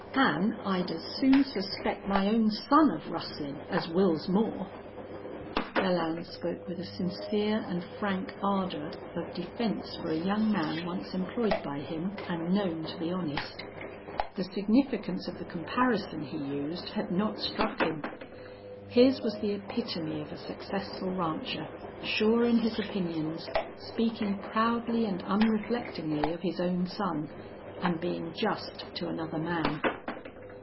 An' I'd as soon suspect my own son of rustlin' as Wils Moore." Belllounds spoke with a sincere and frank ardor of defense for a young man once employed by him and known to be honest. The significance of the comparison he used had not struck him. His was the epitome of a successful rancher, sure in his opinions, speaking proudly and unreflectingly of his own son, and being just to another man.